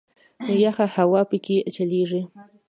یخه هوا په کې چلیږي.